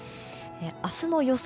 明日の予想